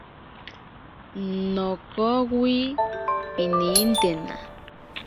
Nokowi pinintatena.